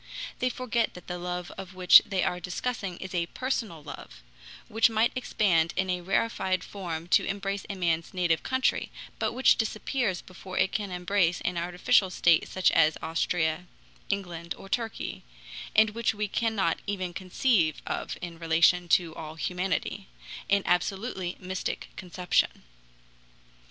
They forget that the love which they are discussing is a personal love, which might expand in a rarefied form to embrace a man's native country, but which disappears before it can embrace an artificial state such as Austria, England, or Turkey, and which we cannot even conceive of in relation to all humanity, an absolutely mystic conception.